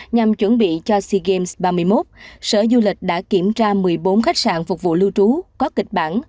nhằm chuẩn bị cho sea games ba mươi một sở du lịch đã kiểm tra một mươi bốn khách sạn phục vụ lưu trú có kịch bản